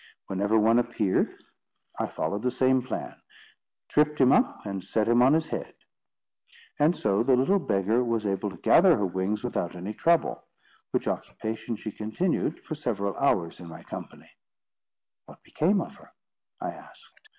Whenever one appeared, I followed the same plan—tripped him up and set him on his head; and so the little beggar was able to gather her wings without any trouble, which occupation she continued for several hours in my company." "What became of her?" I asked.